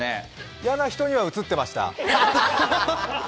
嫌な人には映ってました。